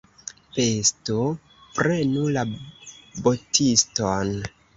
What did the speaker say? Pesto prenu la botiston!